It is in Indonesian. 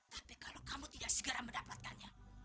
tapi kalau kamu tidak segera mendapatkannya